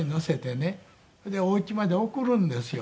それでお家まで送るんですよ。